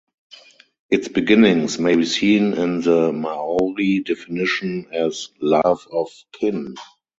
It's beginnings may be seen in the Maori definition as "love of kin".